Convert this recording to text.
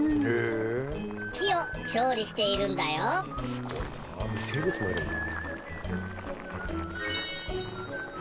すごいなあ微生物もいるんだ。